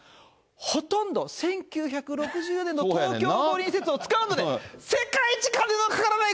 ほとんど１９６４年の東京五輪施設を使うので、世界一金のかから